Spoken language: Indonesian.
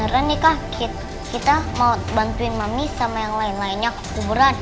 beneran nih kak kita mau bantuin mami sama yang lain lainnya kekuburan